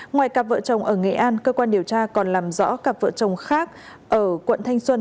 ngoài cặp vợ chồng ở nghệ an cơ quan điều tra còn làm rõ cặp vợ chồng khác ở quận thanh xuân